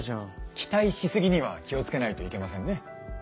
期待し過ぎには気を付けないといけませんね。